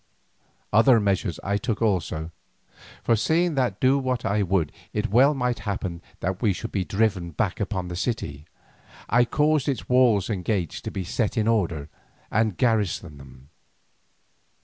Other measures I took also, for seeing that do what I would it well might happen that we should be driven back upon the city, I caused its walls and gates to be set in order, and garrisoned them.